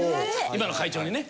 今の会長にね。